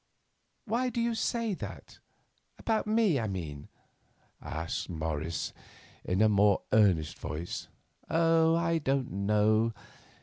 "Why do you say that—about me, I mean?" asked Morris, in a more earnest voice. "Oh, I don't know.